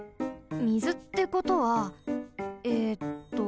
みずってことはえっと